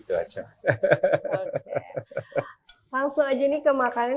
langsung aja nih ke makanan